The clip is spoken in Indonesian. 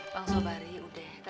bang soebari udah